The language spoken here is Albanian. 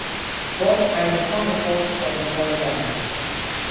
Por, ai nuk ka më forcë ta dëmtojë vendin.